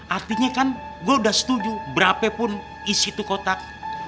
artinya kan gua udah setuju berapa pun isi itu kotak